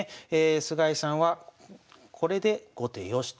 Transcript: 菅井さんはこれで後手良しと。